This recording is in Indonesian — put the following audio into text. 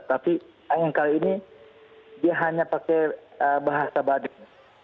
tapi yang kali ini dia hanya pakai bahasa badan